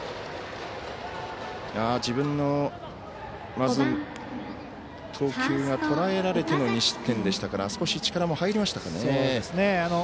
自分の投球がとらえられての２失点でしたから少し力も入りましたかね。